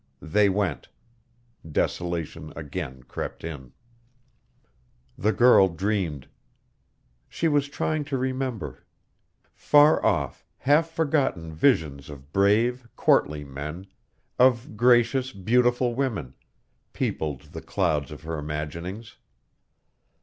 They went. Desolation again crept in. The girl dreamed. She was trying to remember. Far off, half forgotten visions of brave, courtly men, of gracious, beautiful women, peopled the clouds of her imaginings.